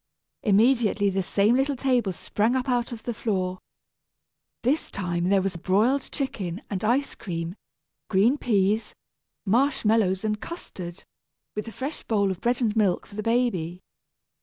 Immediately the same little table sprang up out of the floor. This time there was broiled chicken and ice cream, green peas, marsh mallows and custard, with a fresh bowl of bread and milk for the baby.